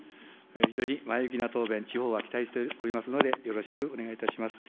非常に前向きな答弁、地方は期待しておりますので、よろしくお願いいたします。